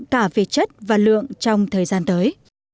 cả về chất và lượng trong thời gian tới